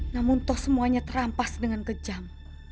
namun toh semuanya terampas dengan kejam